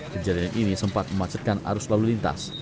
kejadian ini sempat memacetkan arus lalu lintas